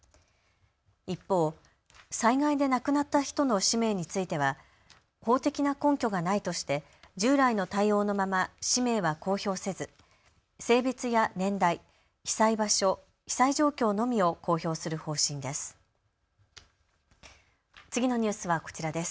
一方、災害で亡くなった人の氏名については法的な根拠がないとして従来の対応のまま氏名は公表せず性別や年代、被災場所、被災状況のみを公表する方針です。